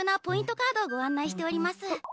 カードをご案内しております。